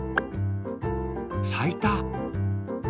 さいた。